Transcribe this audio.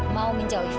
mau menjauhi fadil